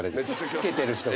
つけてる人が。